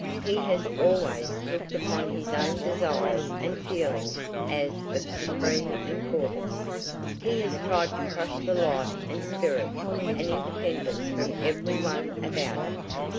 He has always looked upon his own desires and feelings as of supreme importance. He has tried to crush the life and spirit and independence from everyone about him.